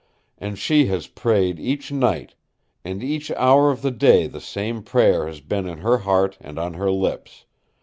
And she has prayed each night, and each hour of the day the same prayer has been in her heart and on her lips.